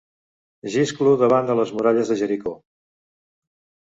Xisclo davant de les muralles de Jericó.